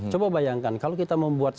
coba bayangkan kalau kita membuat